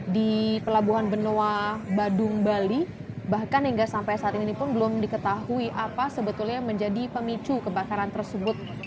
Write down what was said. di pelabuhan benoa badung bali bahkan hingga sampai saat ini pun belum diketahui apa sebetulnya yang menjadi pemicu kebakaran tersebut